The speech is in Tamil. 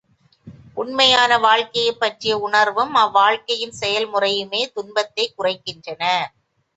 உண்மையான வாழ்க்கையைப் பற்றிய உணர்வும் அவ் வாழ்க்கையின் செயல் முறையுமே துன்பத்தைக் குறைக்கின்றன.